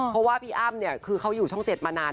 เพราะว่าพี่อ้ำเนี่ยคือเขาอยู่ช่อง๗มานาน